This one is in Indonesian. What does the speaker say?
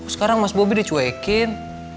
sekarang mas bobi dicuekin